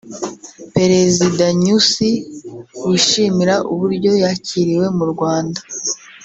Perezida Nyusi wishimira uburyo yakiriwe mu Rwanda